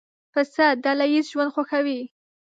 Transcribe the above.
پسه ډله ییز ژوند خوښوي.